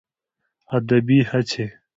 ادبي هڅې